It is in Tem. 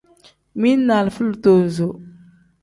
Mili ni alifa litozo.